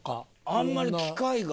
あんまり機会が。